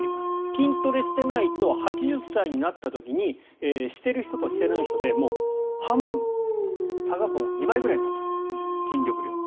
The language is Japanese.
筋トレしてないと８０歳になった時にしている人としてない人で半分差が２倍ぐらいになっちゃう筋肉量が。